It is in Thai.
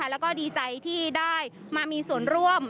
แล้วก็ดีใจที่ได้มามีส่วนร่วม